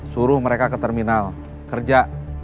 suruh mereka ke terminal kerja